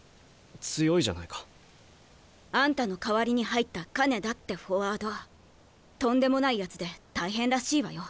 強いじゃないか。あんたの代わりに入った金田ってフォワードとんでもないやつで大変らしいわよ。